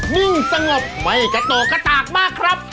นิ่งสงบไม่กระโตกกระตากมากครับ